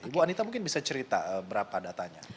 ibu anita mungkin bisa cerita berapa datanya